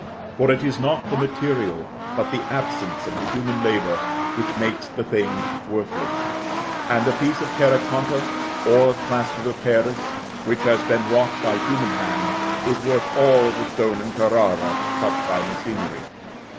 For it is not the material, but the absence of the human labor, which makes the thing worthless; and a piece of terra cotta, or of plaster of Paris, which has been wrought by human hand, is worth all the stone in Carrara, cut by machinery.